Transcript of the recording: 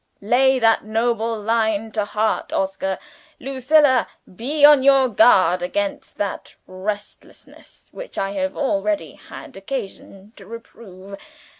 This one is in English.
Lay that noble line to heart, Oscar! Lucilla, be on your guard against that restlessness which I have already had occasion to reprove.